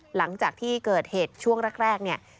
หลังจากที่เกิดเหตุช่วงแรกเนี่ย